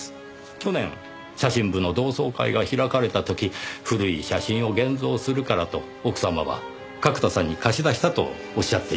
去年写真部の同窓会が開かれた時古い写真を現像するからと奥様は角田さんに貸し出したとおっしゃっていました。